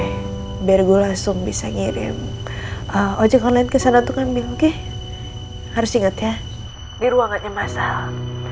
hai bergulas um bisa ngirim ojek online kesana untuk ngambil harus ingat ya diruangannya masalah